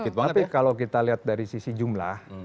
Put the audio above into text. tapi kalau kita lihat dari sisi jumlah